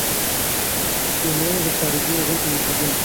لومړی یې د خارجي یرغل په مقابل کې.